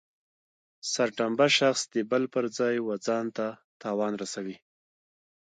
سرټنبه شخص د بل پر ځای و ځانته تاوان رسوي.